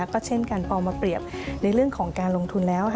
ก็เช่นกันพอมาเปรียบในเรื่องของการลงทุนแล้ว